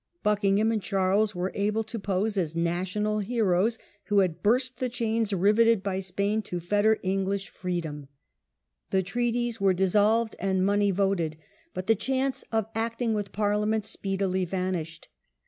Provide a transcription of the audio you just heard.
Buckingham and Charles were able to pose as national heroes, who had burst the chains riveted by Spain to fetter English freedom. DEATH OF JAMES I. 1 9 The treaties were dissolved and money voted. But the chance of acting with Parliament speedily vanished.